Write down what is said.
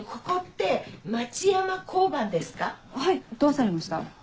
どうされました？